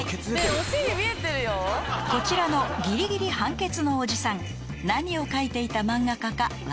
［こちらのギリギリ半ケツのおじさん何を描いていた漫画家か分かりますか？］